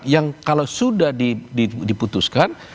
yang kalau sudah diputuskan